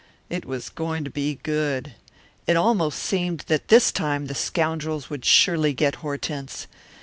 It was going to be good! It almost seemed that this time the scoundrels would surely get Hortense.